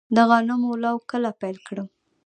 د غنمو لو کله پیل کړم؟